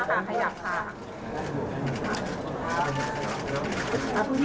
ขอบคุณพี่ด้วยนะครับ